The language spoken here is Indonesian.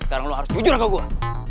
sekarang lo harus jujur sama gue